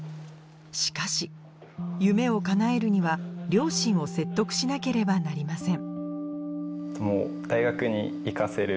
しかし夢をかなえるには両親を説得しなければなりません